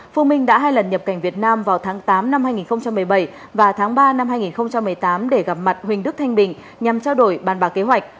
phụ minh đã hai lần nhập cảnh việt nam vào tháng tám năm hai nghìn một mươi bảy và tháng ba năm hai nghìn một mươi tám để gặp mặt huỳnh đức thanh bình nhằm trao đổi bàn bạc kế hoạch